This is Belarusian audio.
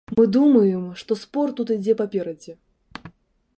Мы думаем, што спорт тут ідзе паперадзе.